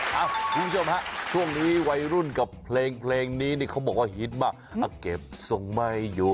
คุณผู้ชมฮะช่วงนี้วัยรุ่นกับเพลงนี้นี่เขาบอกว่าฮิตมากเก็บทรงไม่อยู่